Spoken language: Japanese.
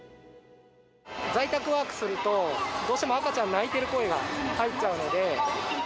在宅ワークすると、どうしても赤ちゃん泣いている声が入っちゃうので。